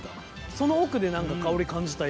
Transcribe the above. その奥で何か香り感じた今。